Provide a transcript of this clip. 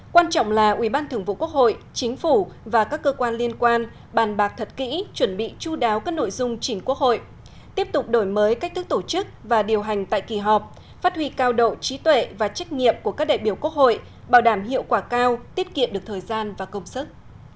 quan trọng là ủy ban thường vụ quốc hội chính phủ và các cơ quan liên quan bàn bạc thật kỹ chuẩn bị chú đáo các nội dung chỉnh quốc hội tiếp tục đổi mới cách thức tổ chức và điều hành tại kỳ họp phát huy cao độ trí tuệ và trách nhiệm của các đại biểu quốc hội bảo đảm hiệu quả cao tiết kiệm được thời gian và công sức